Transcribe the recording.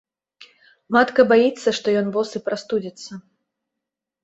Матка баіцца, што ён босы прастудзіцца.